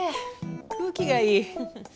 空気がいい